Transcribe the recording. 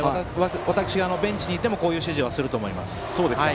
私がベンチにいてもこういう指示をすると思います。